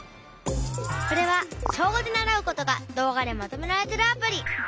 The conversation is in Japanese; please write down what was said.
これは小５で習うことが動画でまとめられてるアプリ。